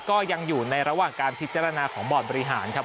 ก็ยังอยู่ในระหว่างการพิจารณาของบอร์ดบริหารครับ